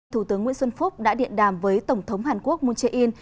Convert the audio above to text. thủ tướng nguyễn xuân phúc đã điện đàm với tổng thống hàn quốc moon jae in